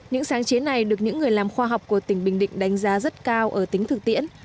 những sáng chế này được những người làm khoa học của tỉnh bình định đánh giá rất cao ở tính thực tiễn